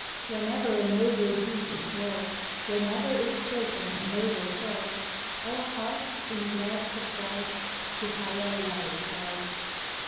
] Whene'er a noble deed is wrought, Whene'er is spoken a noble thought, Our hearts, in glad surprise, To higher levels rise.